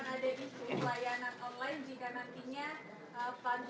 jadi ini yang terakhir pak